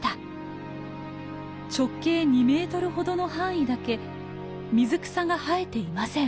直径２メートルほどの範囲だけ水草が生えていません。